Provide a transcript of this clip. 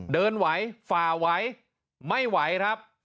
เดินไหวฝ่าไหวไม่ไหวครับ